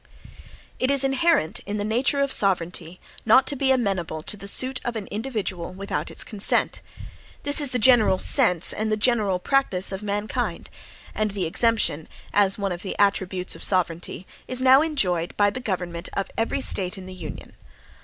It is inherent in the nature of sovereignty not to be amenable to the suit of an individual without its consent. This is the general sense, and the general practice of mankind; and the exemption, as one of the attributes of sovereignty, is now enjoyed by the government of every State in the Union.